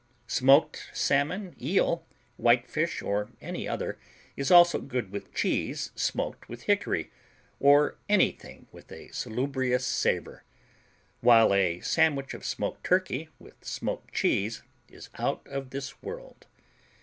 Smoked salmon, eel, whitefish or any other, is also good with cheese smoked with hickory or anything with a salubrious savor, while a sandwich of smoked turkey with smoked cheese is out of this world.